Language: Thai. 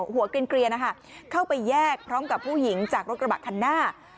หัวเกลียนเข้าไปแยกพร้อมกับผู้หญิงจากรถกระบะคันหน้า